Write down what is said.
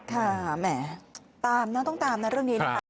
ค่ะแหมตามนะต้องตามเรื่องนี้นะครับ